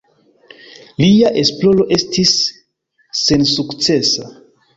Lia esploro estis sensukcesa.